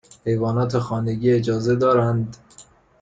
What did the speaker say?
حیوانات خانگی اجازه دارند؟